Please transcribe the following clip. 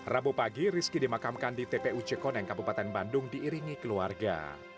rabu pagi rizky dimakamkan di tpu cekoneng kabupaten bandung diiringi keluarga